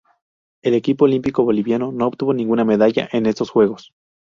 El equipo olímpico boliviano no obtuvo ninguna medalla en estos Juegos.